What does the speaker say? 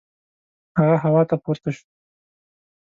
هغه هوا ته پورته شو.